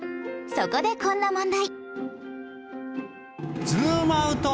そこでこんな問題